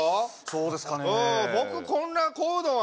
そうですかねえ